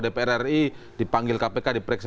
dpr ri dipanggil kpk diperiksa